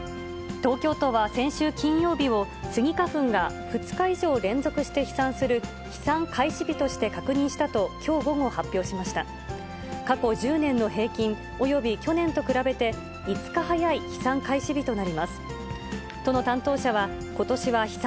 東京都は先週金曜日をスギ花粉が２日以上連続して飛散する、飛散開始日として確認したと、きょう午後発表しました。